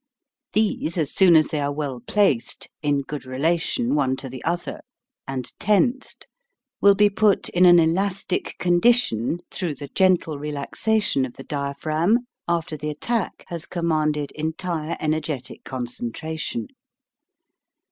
These, as soon as they are well placed (in good relation, one to the other) and tensed, will be put in an elastic condition through the gentle relaxation of the diaphragm after the attack has commanded entire energetic con centration.